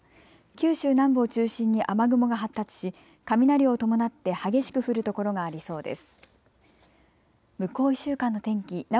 九州南部を中心に雨雲が発達し雷を伴って激しく降る所がありそうです。